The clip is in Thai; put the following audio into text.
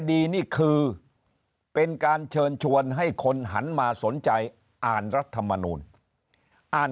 นี่คือเป็นการเชิญชวนให้คนหันมาสนใจอ่านรัฐมนูลอ่าน